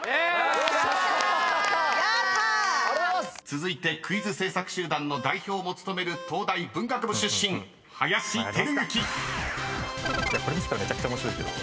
［続いてクイズ制作集団の代表も務める東大文学部出身林輝幸］